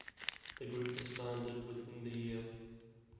The group disbanded within the year.